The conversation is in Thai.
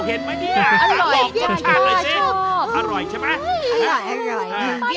เห็นไหมเนี่ยลองหลอกชมชาติหน่อยสิ